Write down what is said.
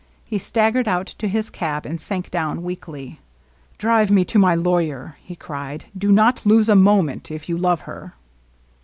He staggered out to his cab, and sank down weakly. " Drive me to my lawyer !" he cried. '' Do not lose a moment — if you love her